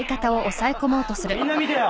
みんな見てよ。